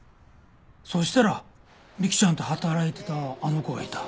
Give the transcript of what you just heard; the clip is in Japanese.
そしたら美希ちゃんと働いてたあの子がいた。